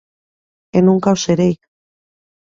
E nunca o serei!